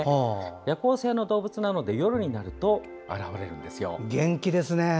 夜行性の動物なので夜になると現れるんですよ。